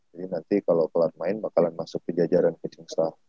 jadi nanti kalo pelat main bakalan masuk ke jajaran coaching staff